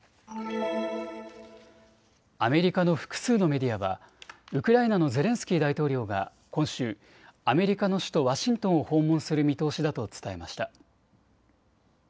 アメリカの複数のメディアはウクライナのゼレンスキー大統領が今週、アメリカの首都ワシントンを訪問する見通しだと伝えました。